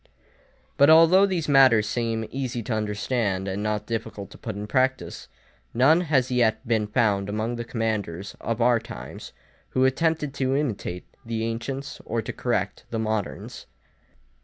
But although these matters seem easy to understand and not difficult to put in practice, none has yet been found among the commanders of our times, who attempted to imitate the ancients or to correct the moderns.